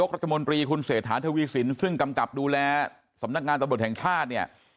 รัฐมนตรีคุณเศรษฐานธวีสินซึ่งกำกับดูแลสำนักงานสมบัติแห่งชาติ